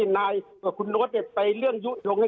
ว่าเขาพี่ลำโบจะไปล้องเรื่องอะไร